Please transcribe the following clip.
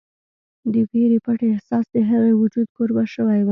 د وېرې پټ احساس د هغې وجود کوربه شوی و